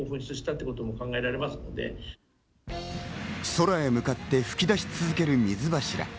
空へ向かって噴き出し続ける水柱。